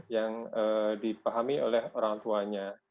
yang dipahami oleh orang tuanya